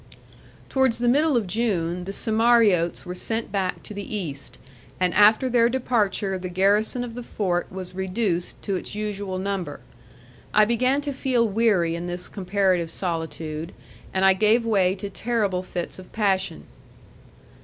Towards the middle of June the Cimariotes were sent back to the East, and after their departure the garrison of the fort was reduced to its usual number. I began to feel weary in this comparative solitude, and I gave way to terrible fits of passion.